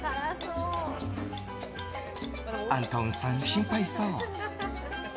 アントウンさん、心配そう。